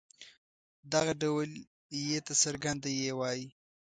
دغه ډول ي ته څرګنده يې وايي.